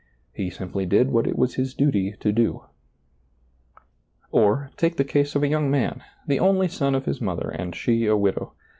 He simply did what it was his duty to do. Or, take the case of a young man, the only son of his mother, and she a widow.